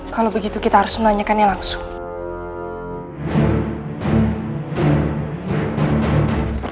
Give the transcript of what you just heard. kalau begitu kita harus menanyakannya langsung